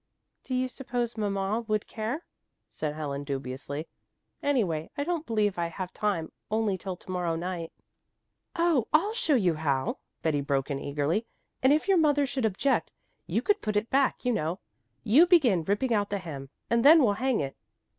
"Do you suppose mamma would care?" said Helen dubiously. "Anyway I don't believe I have time only till to morrow night." "Oh I'll show you how," Betty broke in eagerly. "And if your mother should object you could put it back, you know. You begin ripping out the hem, and then we'll hang it."